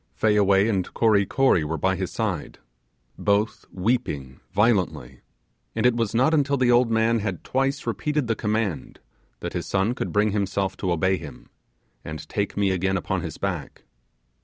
Fayaway and Kory Kory were by his side, both weeping violently; and it was not until the old man had twice repeated the command that his son could bring himself to obey him, and take me again upon his back.